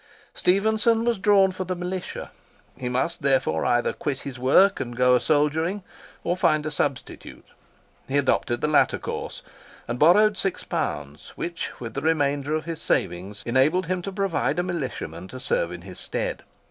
Stephenson was drawn for the militia: he must therefore either quit his work and go a soldiering, or find a substitute. He adopted the latter course, and borrowed £6, which, with the remainder of his savings, enabled him to provide a militiaman to serve in his stead.